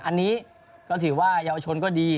อันนี้ก็ถือว่าเยาวชนก็ดี